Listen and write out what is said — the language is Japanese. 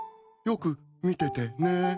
よく見ててね。